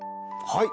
はい！